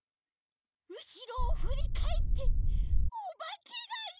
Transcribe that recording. うしろをふりかえっておばけがいたら。